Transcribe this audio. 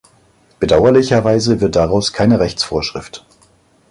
Bedauerlicherweise wird daraus keine Rechtsvorschrift.